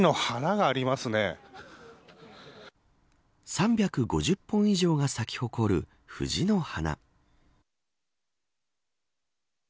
３５０本以上が咲き誇る藤の花。